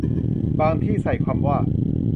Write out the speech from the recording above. บางที่ใส่คำว่า